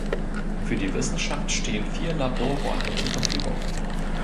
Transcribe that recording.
Für die Wissenschaft stehen vier Laborräume zur Verfügung.